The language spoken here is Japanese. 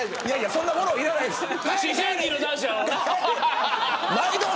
そんなフォローいらないです。